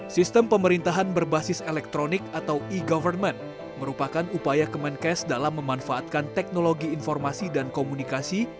sistem pemerintahan berbasis elektronik atau e government merupakan upaya kemenkes dalam memanfaatkan teknologi informasi dan komunikasi